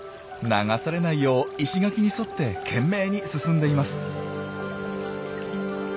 流されないよう石垣に沿って懸命に進んでいます。